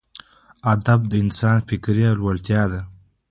ادب د انسان فکري لوړتیا ده.